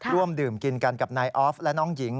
ร่วมดื่มกินกันกับนายออฟและน้องหญิง